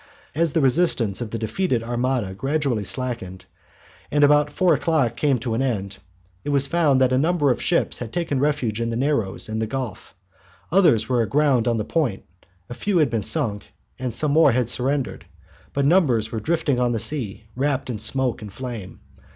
As the resistance of the defeated armada gradually slackened, and about four o'clock came to an end, it was found that a number of ships had taken refuge in the narrows and the Gulf; others were aground on the point; a few had been sunk, some more had surrendered, but numbers were drifting on the sea, wrapped in smoke and flame.